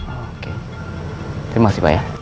oke terima kasih pak ya